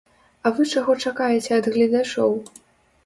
А вы чаго чакаеце ад гледачоў?